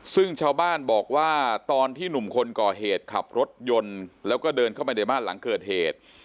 ซึ่งชาวบ้านบอกว่าตอนที่หนุ่มคนก่อเหตุขับรถยนต์แล้วก็เดินเข้าไปในบ้านหลังเกิดเหตุ